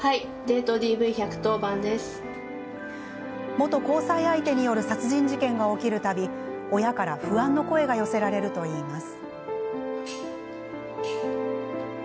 元交際相手による殺人事件が起きる度親から不安の声が寄せられるといいます。